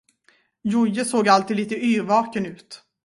Jojje såg alltid lite yrvaken ut.